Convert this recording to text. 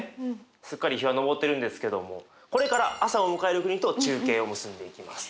すっかり日は昇ってるんですけどもこれから朝を迎える国と中継を結んでいきます。